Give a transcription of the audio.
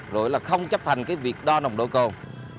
rồi là không chấp hành cái việc đo nồng độ cồn